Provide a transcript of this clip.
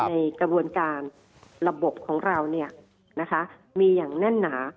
ในกระบวนการระบบของเรามีอย่างแน่นหนา